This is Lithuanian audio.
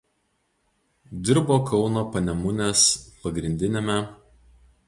Dirbo Kauno Panemunės pagr.